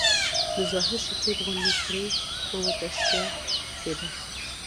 د ظاهر شکیب غوندي سړي به ورته شتیا کېده.